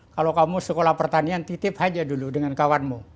kalau kamu sekolah pertanian titip saja dulu dengan kawanmu